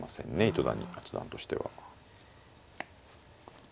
糸谷八段としては。